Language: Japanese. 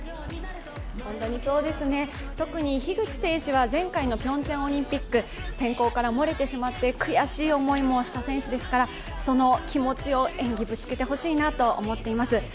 特に樋口選手は前回のピョンチャンオリンピック選考から漏れてしまって悔しい思いをした選手ですから、その気持ちを演技にぶつけてほしいなと思っています。